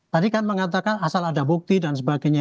tadi kan mengatakan asal ada bukti dan sebagainya